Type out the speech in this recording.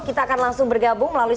kita akan langsung bergabung melalui